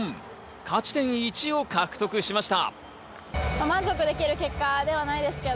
勝ち点１を獲得しました。